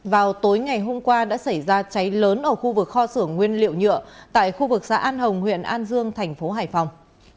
vào tối ngày hôm qua đã xảy ra cháy lớn ở khu vực kho xưởng nguyên liệu nhựa tại khu vực xã an hồng huyện an dương thành phố hải phòng